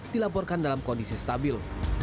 dilaporkan dalam kondisi stabil